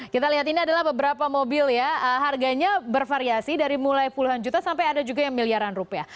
kita lihat ini adalah beberapa mobil ya harganya bervariasi dari mulai puluhan juta sampai ada juga yang miliaran rupiah